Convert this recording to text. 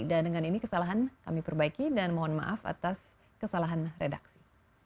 dan dengan ini kesalahan kami perbaiki dan mohon maaf atas kesalahan redaksi